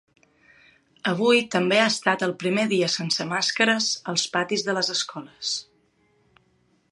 Avui també ha estat el primer dia sense màscares als patis de les escoles.